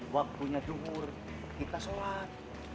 waktunya duhur kita sholat